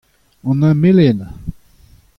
An hini melenañ.